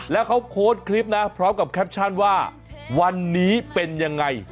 แล้วเขาโพสต์คลิปนะพร้อมกับแคปชั่นว่าวันนี้เป็นยังไง